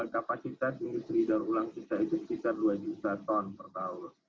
kapasitas industri darulang kisah itu sekitar dua juta ton per tahun